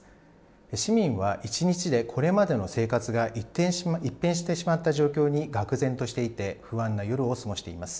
市民は１日でこれまでの生活が一変してしまった状況にがく然としていて、不安な夜を過ごしています。